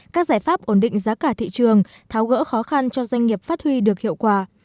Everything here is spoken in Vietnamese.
các giải pháp ổn định giá cả thị trường tháo gỡ khó khăn cho doanh nghiệp phát huy được hiệu quả